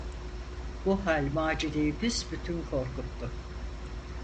Bu hal Macide’yi büsbütün korkuttu.